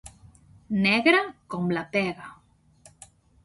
Negre com la pega.